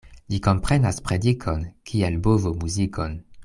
Li komprenas predikon, kiel bovo muzikon.